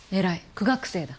苦学生だ。